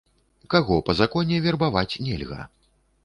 Каго па законе вербаваць нельга?